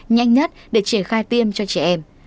nhanh nhất để triển khai tiêm cho trẻ em